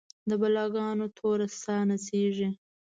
د بلا ګانو توره ساه نڅیږې